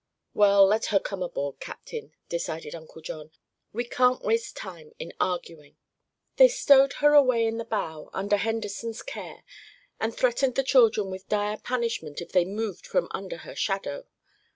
"Well, let her come aboard, Captain," decided Uncle John. "We can't waste time in arguing." They stowed her away in the bow, under Henderson's care, and threatened the children with dire punishment if they moved from under her shadow.